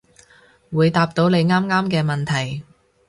會答到你啱啱嘅問題